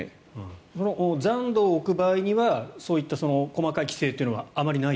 残土を置く場合にはそういった細かい規制というのはあまりない？